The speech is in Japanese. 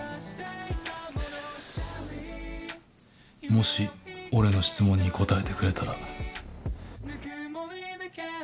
もし俺の質問に答えてくれたら。